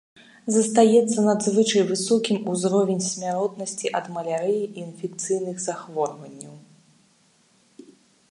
Застаецца надзвычай высокім узровень смяротнасці ад малярыі і інфекцыйных захворванняў.